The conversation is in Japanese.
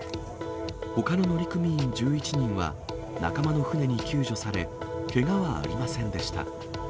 ほかの乗組員１１人は、仲間の船に救助され、けがはありませんでした。